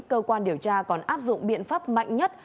cơ quan điều tra còn áp dụng biện pháp mạnh nhất